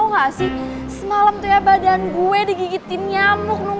halo sobat muda masih bersama lindu disini dan juga hugo